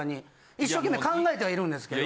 一生懸命考えてはいるんですけど。